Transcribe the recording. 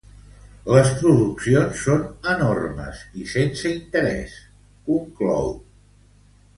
Les produccions són enormes i sense interès, conclou.